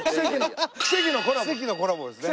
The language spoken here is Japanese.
奇跡のコラボですね。